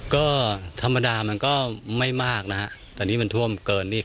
ก็ธรรมดามันก็ไม่มากนะฮะแต่นี่มันท่วมเกินนี่